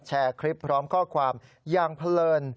แชร์คลิปพร้อมข้อความอย่างเพลิน